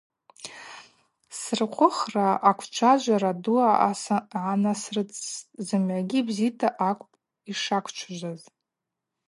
Сырхъвыхра аквчважвара ду гӏанарыцӏстӏ, зымгӏвагьи бзита акӏвпӏ йшаквчважваз.